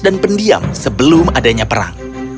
dan pendiam sebelum adanya perang